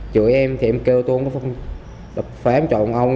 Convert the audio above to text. chửi em thì em kêu tôi không có pháp trọ ông ông